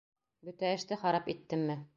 Бөтә эште харап иттемме?